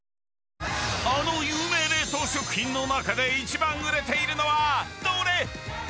あの有名冷凍食品の中で一番売れているのは、どれ？